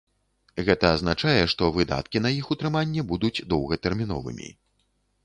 Гэта азначае, што выдаткі на іх утрыманне будуць доўгатэрміновымі.